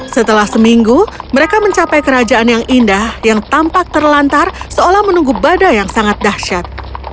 setelah seminggu mereka mencapai kerajaan yang indah yang tampak terlantar seolah menunggu badai yang sangat dahsyat